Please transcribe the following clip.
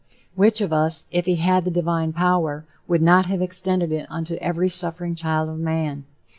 Which of us, if he had the divine power, would not have extended it unto every suffering child of man?